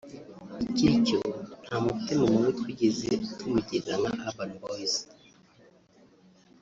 Ikiricyo nta mutima mubi natwe twigeze tumugirira nka Urban boys